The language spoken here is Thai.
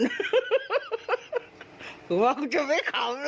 กลัวว่าจะไม่ขาวแล้ว